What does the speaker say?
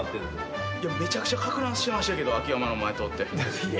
めちゃくちゃかく乱してましたけど秋山の前通って。